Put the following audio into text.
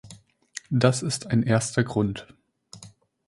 Das ist ein erster Grund.